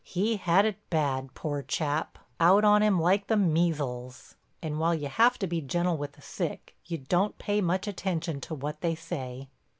He had it bad, poor chap, out on him like the measles, and while you have to be gentle with the sick you don't pay much attention to what they say.